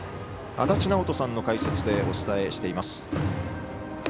足達尚人さんの解説でお伝えしています。